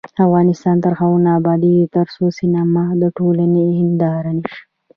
افغانستان تر هغو نه ابادیږي، ترڅو سینما د ټولنې هنداره نشي.